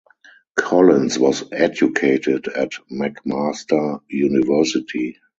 Collins was educated at McMaster University.